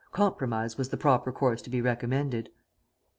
Compromise was the proper course to be recommended."